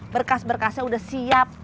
berkas berkasnya udah siap